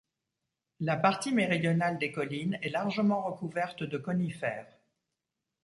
La partie méridionale des collines est largement recouverte de conifères.